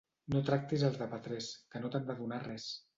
No tractis els de Petrés que no t'han de donar res.